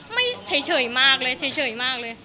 ไม่เฉยมากเลยเฉยมากเลย